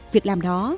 việc làm đó